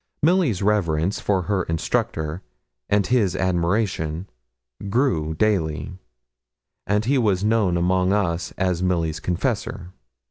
Milly's reverence for her instructor, and his admiration, grew daily; and he was known among us as Milly's confessor.